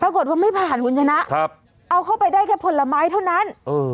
ปรากฏว่าไม่ผ่านคุณชนะเอาเข้าไปได้แค่ผลไม้เท่านั้นเออ